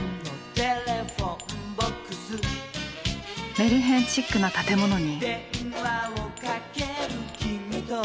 メルヘンチックな建物に。